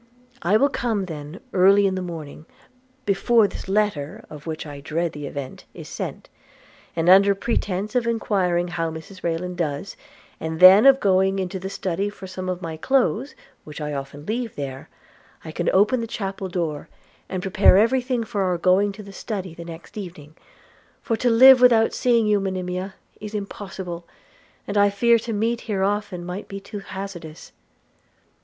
– I will come then early in the morning, before this letter, of which I dread the event, is sent; and, under pretence of enquiring how Mrs Rayland does, and then of going into the study for some of my clothes, which I often leave there, I can open the chapel door, and prepare everything for our going to the study the next evening; for to live without seeing you, Monimia, is impossible, and I fear to meet here often might be too hazardous.'